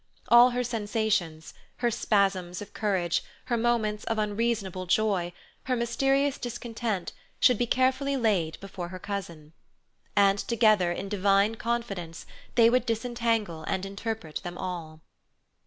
All her sensations, her spasms of courage, her moments of unreasonable joy, her mysterious discontent, should be carefully laid before her cousin. And together in divine confidence they would disentangle and interpret them all.